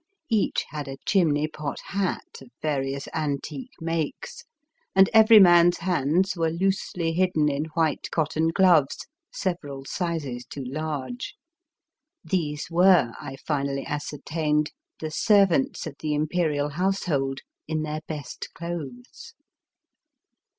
Each had a chimney pot hat, of various antique makes, and every man's hands were loosely hidden in white cotton gloves several sizes too large. These were, I finally ascer tained, the servants of the Imperial household in their best clothes.